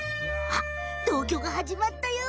あっ同居がはじまったよ。